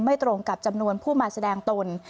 ตรงกับจำนวนผู้มาแสดงตน